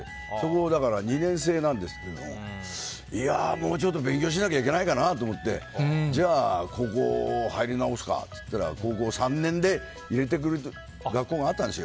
だからそこは２年制なんですけどもうちょっと勉強しなきゃいけないかなと思ってじゃあ高校入り直すかってなって高校３年で入れてくれる学校があったんですよ